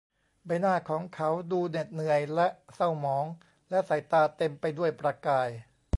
ใบหน้าของเขาดูเหน็ดเหนื่อยและเศร้าหมอง และสายตาเต็มไปด้วยประกาย